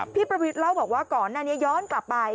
พี่ประวิทย์เล่าบอกว่าก่อนหน้านี้ย้อนกลับไป